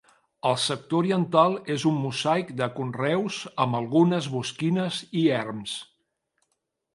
El sector oriental és un mosaic de conreus amb algunes bosquines i erms.